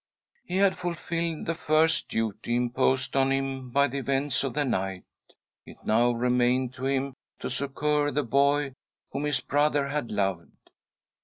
He had fulfilled the first duty imposed on him by the events of the night ; it now remained to him to succour the boy whom his brother had loved.